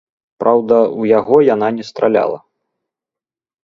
Праўда, у яго яна не страляла.